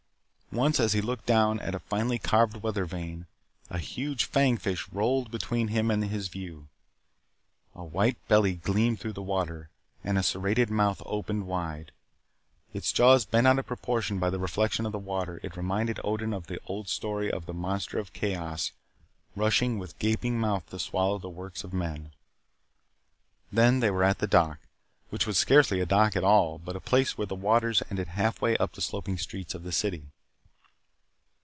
Once as he looked down at a finely carved weather vane, a huge fang fish rolled between him and his view. A white belly gleamed through the water, and a serrated mouth opened wide. Its jaws bent out of proportion by the refraction of the water, it reminded Odin of the old story of the Monster of Chaos rushing with gaping mouth to swallow the works of men. Then they were at the dock, which was scarcely a dock at all but a place where the waters ended halfway up the sloping streets of the city.